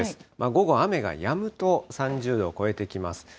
午後、雨がやむと３０度を超えてきます。